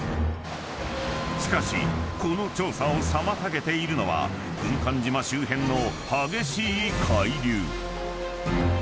［しかしこの調査を妨げているのは軍艦島周辺の］